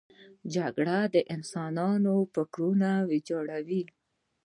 جګړه د انسان فکرونه ویجاړوي